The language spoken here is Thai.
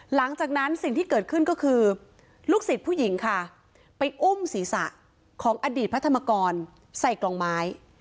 หลังจากนั้นสิ่งที่เกิดขึ้นก็คือลูกศิษย์ผู้หญิงค่ะไปอุ้มศีรษะของอดีตพระธรรมกรใส่กล่องไม้